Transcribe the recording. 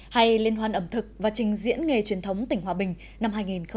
hay liên hoan ẩm thực và trình diễn nghề truyền thống tỉnh hòa bình năm hai nghìn một mươi chín